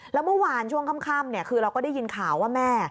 แล้วเมื่อวานช่วงค่ำคือเราก็ได้ยินข่าวว่าแม่